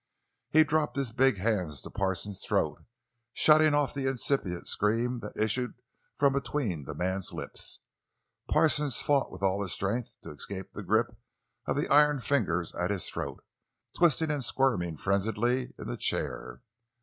He dropped his big hands to Parsons' throat, shutting off the incipient scream that issued from between the man's lips. Parsons fought with all his strength to escape the grip of the iron fingers at his throat, twisting and squirming frenziedly in the chair.